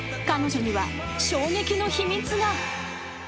［彼女には衝撃の秘密が］